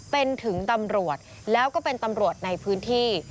เป็นถึงตำรวจแล้วก็เป็นตำรวจในพื้นที่